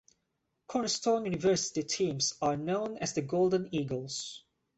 Cornerstone University teams are known as the Golden Eagles.